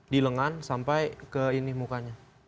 di lengan sampai ke ini mukanya